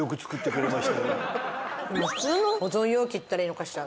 でも普通の保存容器っていったらいいのかしら？